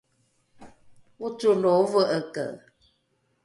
ocolo ove’eke